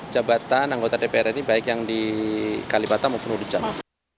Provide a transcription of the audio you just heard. jabatan anggota dpr ini baik yang di kalibata maupun di james